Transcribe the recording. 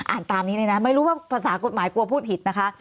อ่านตามนี้เลยนะไม่รู้ว่าภาษากฎหมายกลัวพูดผิดนะคะ